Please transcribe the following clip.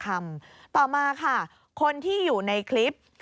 เขาก็ปากหน้ามาจอดรถ